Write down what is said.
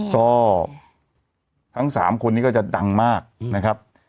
ก็ทั้ง๓คนนี้ก็จะดังมากนะครับ